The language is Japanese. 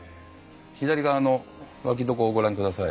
左側の脇床をご覧ください。